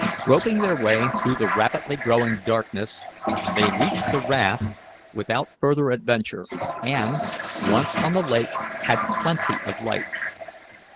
Groping their way through the rapidly growing darkness, they reached the raft without further adventure, and, once on the lake, had plenty of light.